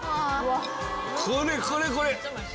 これこれこれ！